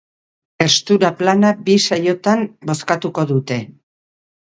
Herstura plana bi saiotan bozkatuko dute.